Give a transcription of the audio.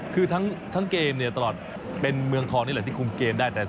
คือทั้งเกมเนี่ยตลอดเป็นเมืองทองนี่แหละที่คุมเกมได้